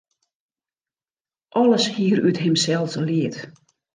Alles hie er út himsels leard.